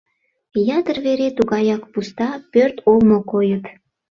Ятыр вере тугаяк пуста пӧрт олмо койыт.